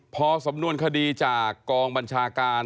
พอสำนวนคดีจากกองบัญชาการ